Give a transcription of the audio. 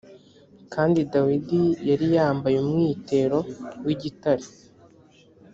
kandi dawidi yari yambaye umwitero w’igitare